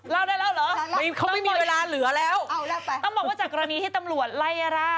เล่าได้แล้วเหรอเขาไม่มีเวลาเหลือแล้วต้องบอกว่าจากกรณีที่ตำรวจไล่ล่า